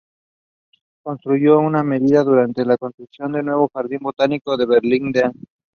Contribuyó en gran medida durante la construcción del nuevo jardín botánico de Berlín-Dahlem.